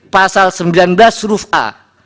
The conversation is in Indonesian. pasal sembilan belas huruf a